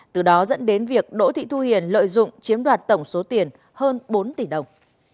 từ đó dẫn đến việc đỗ thị thu hiền lợi dụng chiếm đoạt tổng số tiền hơn bốn tỷ đồng